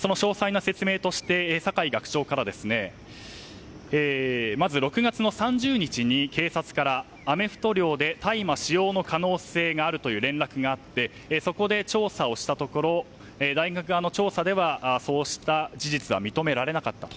その詳細な説明として酒井学長から６月の３０日に警察からアメフト寮で大麻使用の可能性があるという連絡があってそこで調査したところ大学側の調査ではそうした事実は認められなかったと。